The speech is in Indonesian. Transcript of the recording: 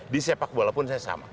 di sepak bola pun saya sama